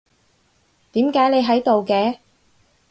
點解你喺度嘅？